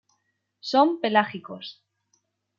Son pelágicos.